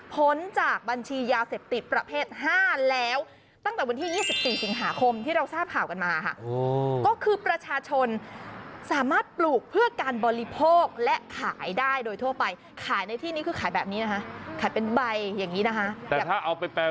พ้นจากบัญชียาเสพติประเภท๕แล้วตั้งแต่วันที่๒๔สิงหาคมที่เราทราบข่าวกันมาค่ะ